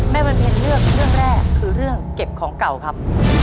บรรเพ็ญเลือกเรื่องแรกคือเรื่องเก็บของเก่าครับ